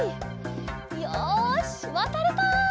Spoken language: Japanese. よしわたれた。